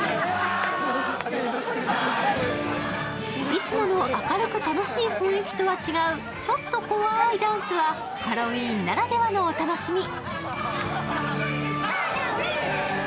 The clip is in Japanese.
いつもの明るく楽しい雰囲気とは違う、ちょっとこわいダンスはハロウィーンならではのお楽しみ。